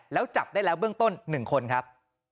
แล้วจับได้แล้วเบื้องต้น๑คนครับ